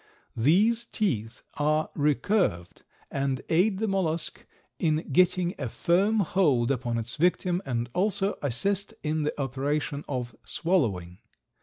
These teeth are recurved and aid the mollusk in getting a firm hold upon its victim, and also assist in the operation of swallowing.